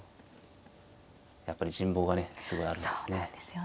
やっぱり人望がねすごいあるんですね。